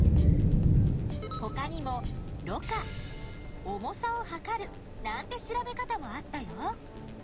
ほかにもろ過重さを量るなんて調べ方もあったよ。